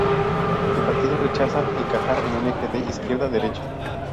El partido rechaza encajar en un eje de izquierda-derecha.